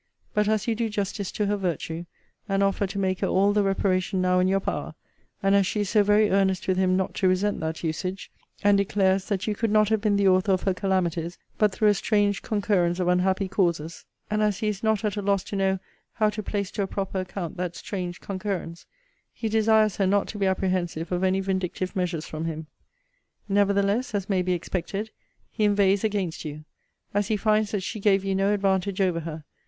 But as you do justice to her virtue, and offer to make her all the reparation now in your power; and as she is so very earnest with him not to resent that usage; and declares, that you could not have been the author of her calamities but through a strange concurrence of unhappy causes; and as he is not at a loss to know how to place to a proper account that strange concurrence; he desires her not to be apprehensive of any vindictive measures from him.' Nevertheless (as may be expected) 'he inveighs against you; as he finds that she gave you no advantage over her.